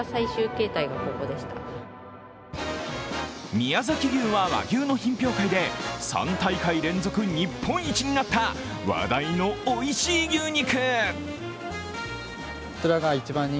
宮崎牛は和牛の品評会で３大会連続日本一になった話題のおいしい牛肉。